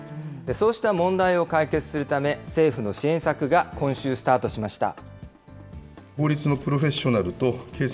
そうした問題を解決するため、政府の支援策が今週、スタートしました。